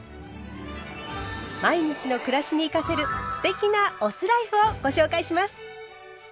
毎日の暮らしに生かせる“酢テキ”なお酢ライフをご紹介します。